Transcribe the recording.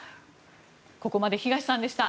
ここまで東さんでした。